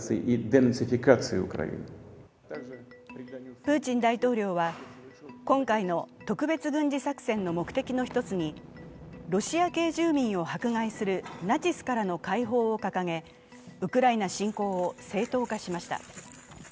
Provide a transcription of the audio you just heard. プーチン大統領は今回の特別軍事作戦の目的の１つにロシア系住民を迫害するナチスからの解放を掲げウクライナ侵攻を正当化しました。